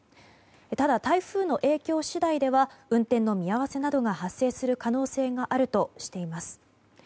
ただ、台風の影響次第では運転の見合わせなどが発生する可能性があるとしています。